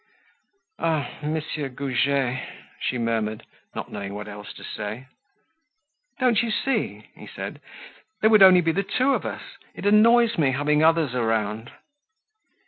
"Ah, Monsieur Goujet," she murmured, not knowing what else to say. "Don't you see?" he said. "There would only be the two of us. It annoys me having others around."